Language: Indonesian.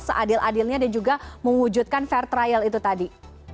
seadil adilnya dan juga mewujudkan fair trial itu tadi